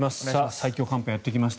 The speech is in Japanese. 最強寒波がやってきました。